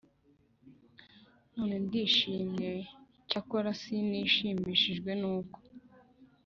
none ndishimye Icyakora sinishimishijwe n uko